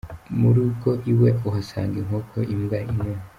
Mu rugo iwe uhasanga inkoko, imbwa, inuma.